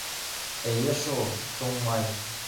Эйе шул: туңмай...